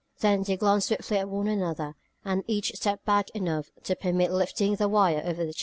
Then they glanced swiftly at one another, and each stepped back enough to permit lifting the wire over the chair.